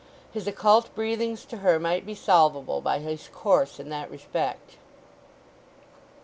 His occult breathings to her might be solvable by his course in that respect.